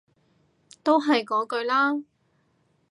都係嗰句啦